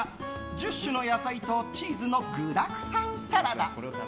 １０種の野菜とチーズの具だくさんサラダ。